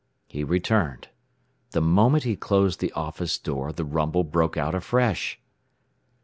He returned. The moment he closed the office door the rumble broke out afresh.